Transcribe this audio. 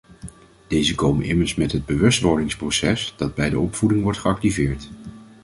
Deze komen immers met het bewustwordingsproces, dat bij de opvoeding wordt geactiveerd.